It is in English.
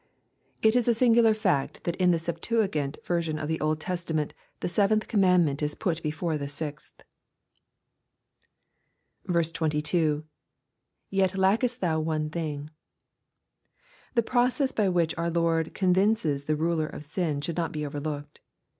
It is a singular fact that in the Septuagint version of the Old Testament the seventh commandment is put be fore the sixth. 22. —[ Tet lackeai thou one thing.] The process by which our Lord convinces the ruler of sin should not be overlooked.